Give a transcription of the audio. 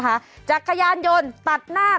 วันนี้จะเป็นวันนี้